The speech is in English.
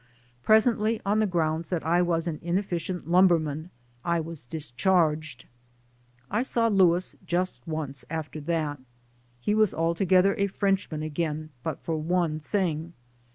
Presently, on the grounds that I was an inefficient lumberman, I was dis charged. I saw Louis just once after that. He was alto gether a Frenchman again, but for one thing.